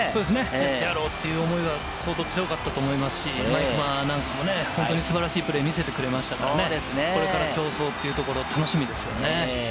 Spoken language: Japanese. やってやろうという思いは相当強かったと思いますし、本当に素晴らしいプレーを見せてくれましたから、これから競争というところ楽しみですね。